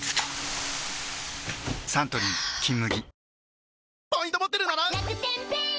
サントリー「金麦」